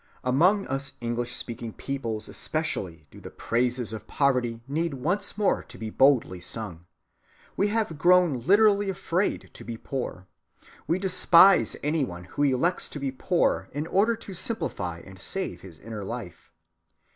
Among us English‐speaking peoples especially do the praises of poverty need once more to be boldly sung. We have grown literally afraid to be poor. We despise any one who elects to be poor in order to simplify and save his inner life.